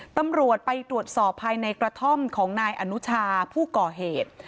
ตำรวจไปตรวจสอบภายในกระท่อมของนายอนุชาผู้ก่อเหตุ